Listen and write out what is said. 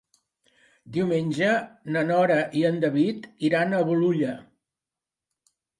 Diumenge na Nora i en David iran a Bolulla.